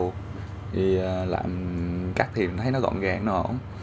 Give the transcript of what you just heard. thì làm cắt thì thấy nó gọn gàng nữa